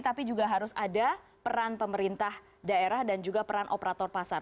tapi juga harus ada peran pemerintah daerah dan juga peran operator pasar